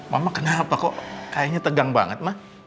mama kenapa kok kayaknya tegang banget mah